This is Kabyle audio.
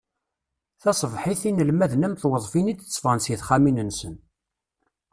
Taṣebḥit, inelmaden am tweḍfin i d-ttefɣen seg texxamin-nsen.